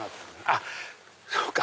あっそうか！